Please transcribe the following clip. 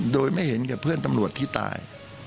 โดยไม่เห็นกับเพื่อนตำรวจที่ตาย